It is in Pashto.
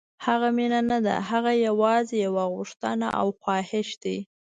هغه مینه نه ده، هغه یوازې یو غوښتنه او خواهش دی.